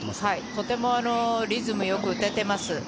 とてもリズムよく打てています。